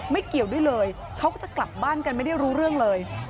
เกี่ยวด้วยเลยเขาก็จะกลับบ้านกันไม่ได้รู้เรื่องเลย